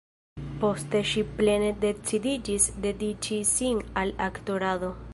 Poste ŝi plene decidiĝis dediĉi sin al aktorado.